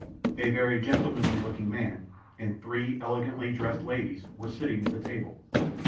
A very gentlemanly looking man, and three elegantly dressed ladies were sitting at the table.